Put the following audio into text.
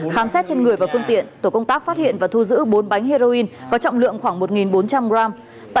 khám xét trên người và phương tiện tổ công tác phát hiện và thu giữ bốn bánh heroin có trọng lượng khoảng một bốn trăm linh gram